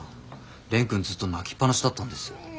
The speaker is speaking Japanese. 蓮くんずっと泣きっぱなしだったんですよ。